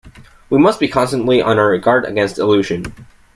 We must be constantly on our guard against illusion.